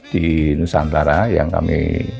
di nusantara yang kami